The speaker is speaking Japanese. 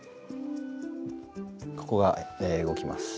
ここが動きます。